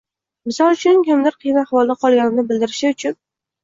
Misol uchun, kimdir qiyin ahvolda qolganini bildirishi uchun